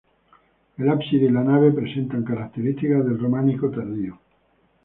El ábside y la nave presentan características del románico tardío.